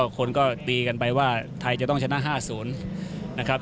คนก็ตีกันไปว่าไทยจะต้องชนะ๕๐